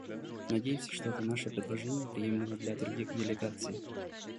Надеемся, что это наше предложение приемлемо для других делегаций.